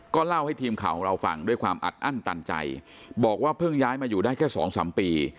เล่าให้ทีมข่าวของเราฟังด้วยความอัดอั้นตันใจบอกว่าเพิ่งย้ายมาอยู่ได้แค่สองสามปี